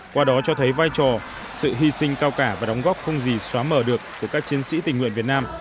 qua đó cho thấy vai trò sự hy sinh cao cả và đóng góp không gì xóa mở được của các chiến sĩ tình nguyện việt nam